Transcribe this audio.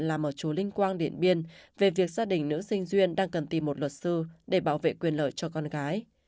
làm ở chùa linh quang điện biên về việc gia đình nữ sinh duyên đang cần tìm một luật sư để bảo vệ quyền lợi cho con gái